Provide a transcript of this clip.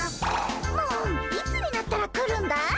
もういつになったら来るんだい？